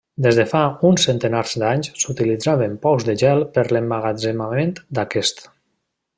Des de fa uns centenars d'anys s'utilitzaven pous de gel per a l'emmagatzemament d'aquest.